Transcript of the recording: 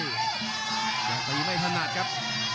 อย่างตีไม่พนัดครับ